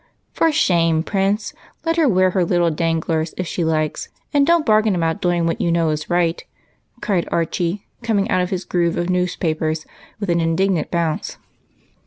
"For shame, Prince! let her wear her little dan 196 EIGHT COUSINS. glers if she likes, and don't bargain about doing what you know is right," cried Archie, coming out of his grove of newspapers with an indignant bounce.